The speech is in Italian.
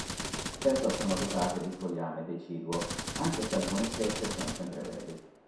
Spesso sono dotate di fogliame deciduo anche se alcune specie sono sempreverdi.